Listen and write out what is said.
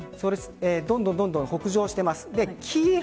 どんどん北上しています。